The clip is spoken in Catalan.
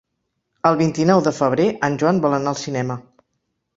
El vint-i-nou de febrer en Joan vol anar al cinema.